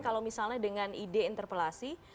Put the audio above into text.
kalau misalnya dengan ide interpelasi